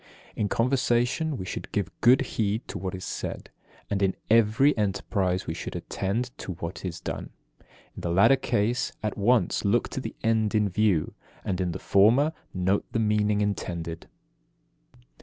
4. In conversation we should give good heed to what is said, and in every enterprise we should attend to what is done. In the latter case, at once look to the end in view, and, in the former, note the meaning intended.